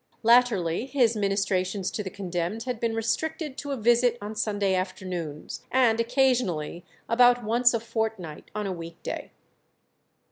Latterly his ministrations to the condemned had been restricted to a visit on Sunday afternoons, and occasionally about once a fortnight on a week day.